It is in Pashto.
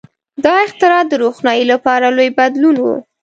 • دا اختراع د روښنایۍ لپاره لوی بدلون و.